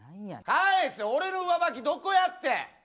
俺の上履きどこやってん？